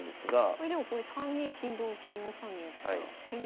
これでもこれ３二金同金４三銀だったら千日手。